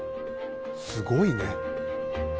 すごいね。